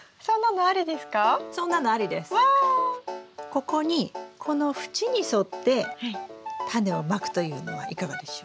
ここにこの縁に沿ってタネをまくというのはいかがでしょう？